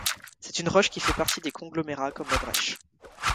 C'est une roche qui fait partie des conglomérats, comme la brèche.